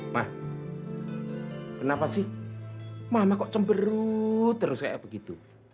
mah kenapa sih mama kok cemberut terus kayak begitu